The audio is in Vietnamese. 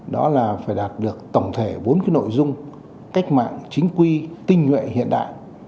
đó là phải đạt được tổng thể bốn cái nội dung cách mạng chính quy tinh nhuệ hiện đại